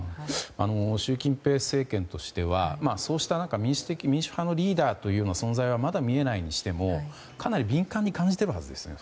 習近平政権としてはそうした中民主派のリーダーという存在はまだ見えないにしてもかなり敏感に感じていますよね